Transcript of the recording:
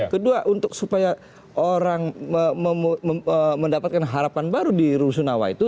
kedua untuk supaya orang mendapatkan harapan baru di rusunawa itu